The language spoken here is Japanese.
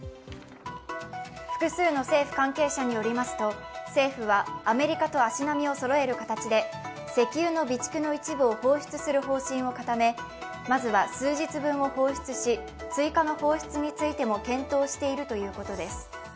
複数の政府関係者によりますとアメリカと足並みをそろえる形で石油の備蓄の一部を放出する方針を固めまずは数日分を放出し、追加の放出についても検討しているということです。